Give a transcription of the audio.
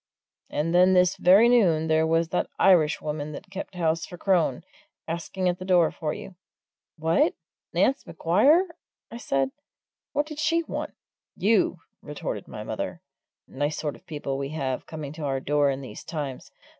"And then this very noon there was that Irishwoman that kept house for Crone, asking at the door for you." "What, Nance Maguire!" I said. "What did she want?" "You!" retorted my mother. "Nice sort of people we have coming to our door in these times!